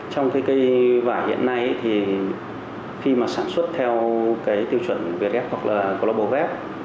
trong cái cây vải hiện nay thì khi mà sản xuất theo cái tiêu chuẩn vf hoặc là global vf